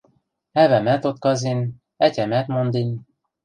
Ӓвӓмӓт отказен, ӓтямӓт монден...